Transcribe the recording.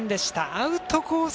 アウトコース